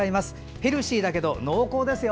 ヘルシーだけど濃厚ですよ。